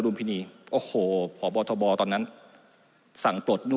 ร่วมพินีโอ้โหภอบอธบอตอนนั้นสั่งปรดนู่น